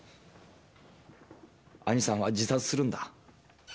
兄さんは自殺するんだ。